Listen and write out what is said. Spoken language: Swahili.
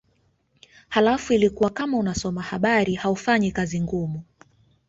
Halafu ilikuwa kama unasoma habari haufanyi kazi ngumu